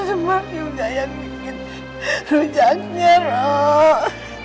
emangnya udah yang ingin lu jangan ya roh